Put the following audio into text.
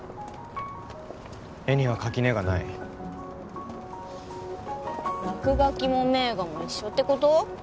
絵には垣根がない落書きも名画も一緒ってこと？